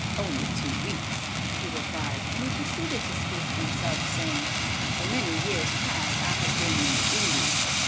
"Only two weeks," he replied, and he proceeded to speak of himself, saying, "For many years past I have been in the Indies.